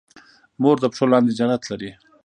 مور د پښو لاندې جنت لري